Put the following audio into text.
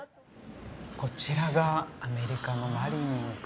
こちらがアメリカのマリニン君。